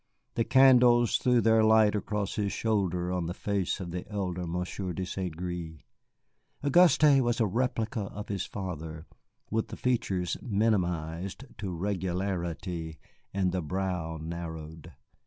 The candles threw their light across his shoulder on the face of the elder Monsieur de St. Gré. Auguste was a replica of his father, with the features minimized to regularity and the brow narrowed.